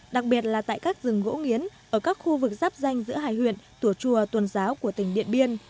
đặc biệt là tại các rừng gỗ nghiến ở các khu vực giáp danh giữa hai huyện tùa chùa tuần giáo của tỉnh điện biên